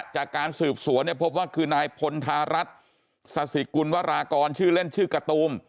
จากการสืบสวนเนี่ยพบว่าคือนายพลธารัฐศาสิกุลวรากรชื่อเล่นชื่อการ์ตูม